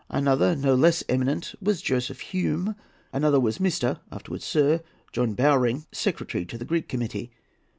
Another, no less eminent, was Joseph Hume. Another was Mr. (afterwards Sir) John Bowring, secretary to the Greek Committee.